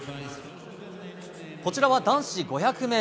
こちらは男子５００ｍ。